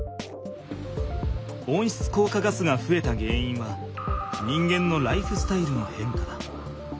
温室効果ガスがふえたげんいんは人間のライフスタイルのへんかだ。